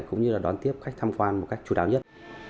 cũng như đón tiếp khách tham quan một cách chủ đáo nhất